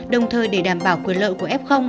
đồng thời để đảm bảo quyền lợi của f